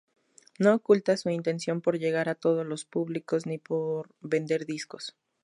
No oculta su intención por llegar a todos los públicos ni por vender discos.